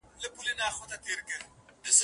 آسمانه ما ستا د ځوانۍ په تمه